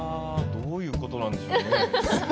どういうことなんでしょうね。